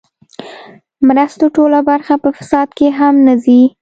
مرستو ټوله برخه په فساد کې هم نه ځي.